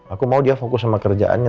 aku mau dia fokus sama kerjaannya